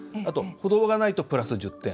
歩道がないと、プラス１０点。